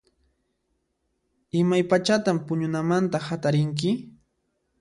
Imaypachatan puñunamanta hatarinki?